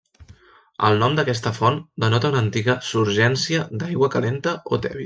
El nom d'aquesta font denota una antiga surgència d'aigua calenta o tèbia.